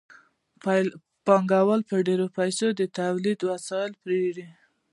پانګوال په ډېرو پیسو د تولید وسایل پېري